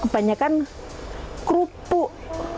banyak kan kerupuk